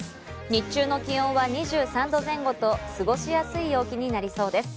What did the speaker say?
日中の気温は２３度前後と過ごしやすい陽気になりそうです。